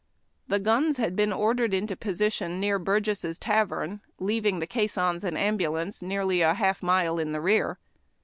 The guns had been ordered into position near Burgess' Tavern, leaving the caissons and ambulance nearly a half mile in the rear.